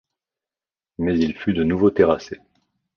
Mais il fut de nouveau terrassé.